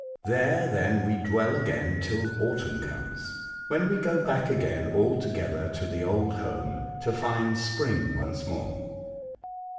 There, then, we dwell till again autumn comes, when we go back again all together to the old home .to find spring once more.